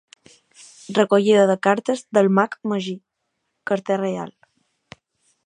Recollida de cartes del Mag Magí, carter reial.